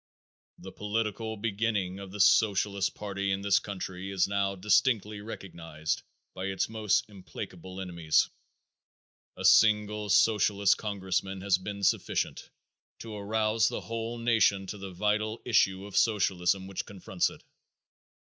_ The political beginning of the Socialist party in this country is now distinctly recognized by its most implacable enemies. A single Socialist congressman has been sufficient to arouse the whole nation to the vital issue of Socialism which confronts it.